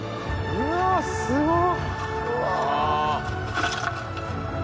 うわすごい！